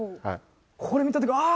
これ見た時ああ！